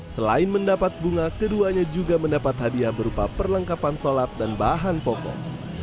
selain mendapat bunga keduanya juga mendapat hadiah berupa perlengkapan sholat dan bahan pokok